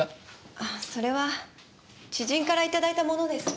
あそれは知人からいただいたものです。